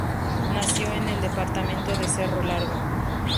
Nació en el departamento de Cerro Largo.